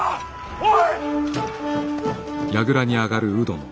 おい！